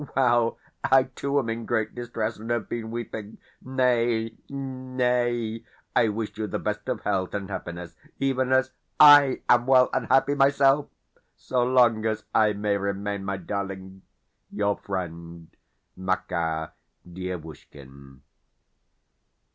Well, I too am in great distress, and have been weeping. Nay, nay. I wish you the best of health and happiness, even as I am well and happy myself, so long as I may remain, my darling, Your friend, MAKAR DIEVUSHKIN.